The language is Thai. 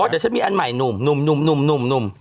แต่ฉันมีอันใหม่นุ่ม